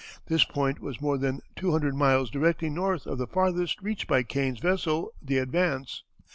This point was more than two hundred miles directly north of the farthest reached by Kane's vessel, the Advance.